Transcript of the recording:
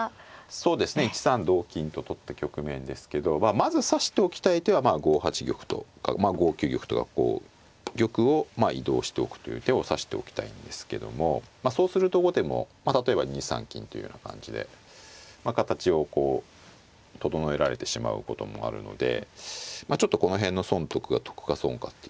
１三同金と取った局面ですけどまず指しておきたい手は５八玉とかまあ５九玉とかこう玉を移動しておくという手を指しておきたいんですけどもそうすると後手も例えば２三金というような感じで形をこう整えられてしまうこともあるのでちょっとこの辺の損得が得か損かっていうところですよね。